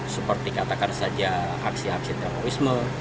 seperti katakan saja aksi aksi terorisme